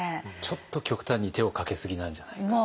ちょっと極端に手をかけすぎなんじゃないか。